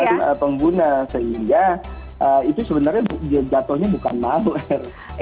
atas persetujuan pengguna sehingga itu sebenarnya jatuhnya bukan malware